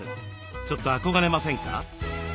ちょっと憧れませんか？